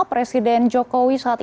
presiden jokowi saat ini